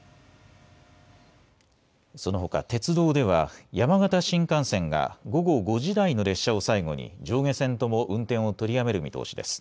そのほか鉄道では山形新幹線が午後５時台の列車を最後に上下線とも運転を取りやめる見通しです。